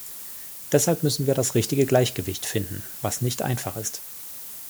Deshalb müssen wir das richtige Gleichgewicht finden, was nicht einfach ist.